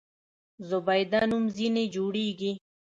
زبیده نوم ځنې جوړېږي.